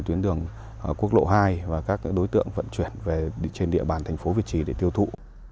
tuyến đường quốc lộ hai và các đối tượng vận chuyển về trên địa bàn thành phố việt trì để tiêu thụ